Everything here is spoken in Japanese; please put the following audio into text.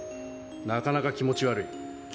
なかなか気持ち悪い。